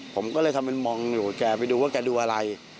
ผมก็เลยทำเป็นมองอยู่แกไปดูว่าแกดูอะไร